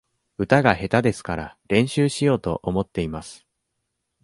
歌が下手ですから、練習しようと思っています。